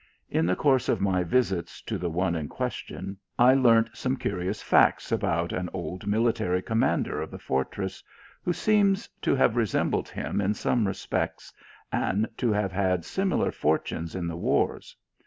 In the course of my visit to the one in question, I learnt some curious facts abo\jt an old military commander of the for tress, who seems to have resembled him in some re spects, and to have had similar fortunes in the wars.